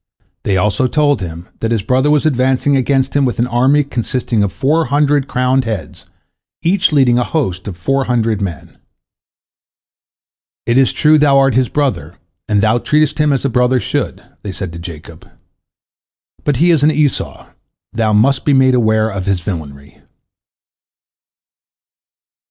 They also told him that his brother was advancing against him with an army consisting of four hundred crowned heads, each leading a host of four hundred men. "It is true, thou art his brother, and thou treatest him as a brother should," they said to Jacob, "but he is an Esau, thou must be made aware of his villainy."